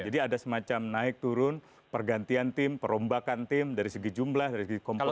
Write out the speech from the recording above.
jadi ada semacam naik turun pergantian tim perombakan tim dari segi jumlah dari segi komposisi